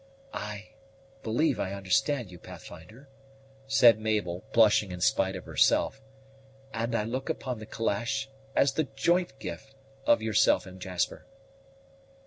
"I believe I understand you, Pathfinder," said Mabel, blushing in spite of herself, "and I look upon the calash as the joint gift of yourself and Jasper."